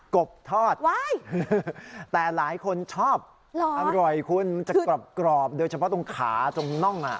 กบทอดแต่หลายคนชอบอร่อยคุณมันจะกรอบโดยเฉพาะตรงขาตรงน่อง